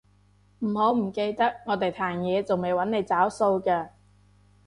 唔好唔記得我哋壇野仲未搵你找數㗎